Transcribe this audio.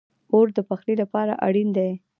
اور د پخلی لپاره اړین دی